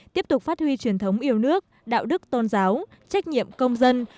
tiếp tục phát huy truyền thống yêu nước đạo đức tôn giáo trách nhiệm công dân